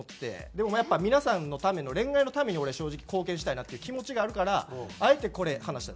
でもやっぱ皆さんのための恋愛のために俺正直貢献したいなっていう気持ちがあるからあえてこれ話したんです。